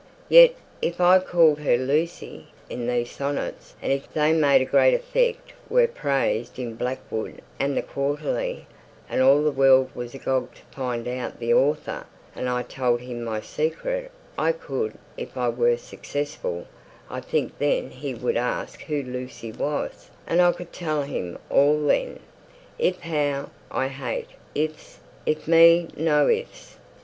Yet if I called her 'Lucy' in these sonnets; and if they made a great effect were praised in Blackwood and the Quarterly and all the world was agog to find out the author; and I told him my secret I could if I were successful I think then he would ask who Lucy was, and I could tell him all then. If how I hate 'ifs.' 'If me no ifs.'